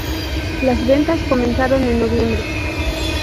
Las ventas comenzaron en noviembre.